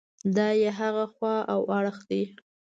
دا یې هغه خوا او اړخ دی.